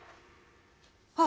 あっ！